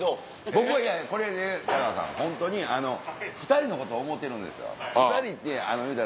僕はいやいやこれね田川さんホントにあの２人のことを思うてるんですよ。